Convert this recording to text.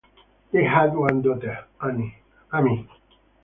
They had one daughter, Amie.